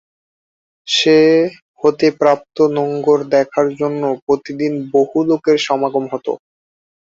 সে হতে প্রাপ্ত নোঙ্গর দেখার জন্য প্রতিদিন বহু লোকের সমাগম হত।